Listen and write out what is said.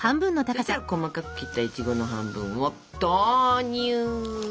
そしたら細かく切ったイチゴの半分を投入ぶ！